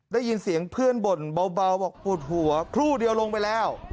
ได้ยินเสียงเพื่อนบ่นเบาบอกปวดหัวครู่เดียวลงไปแล้ว